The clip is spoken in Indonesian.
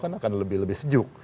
kan akan lebih lebih sejuk